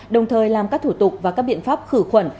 đồng thời làm các thủ tục và các biện pháp khử khuẩn